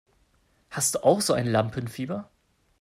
Hast du auch so ein Lampenfieber?